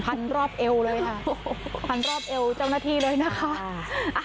รอบเอวเลยค่ะพันรอบเอวเจ้าหน้าที่เลยนะคะ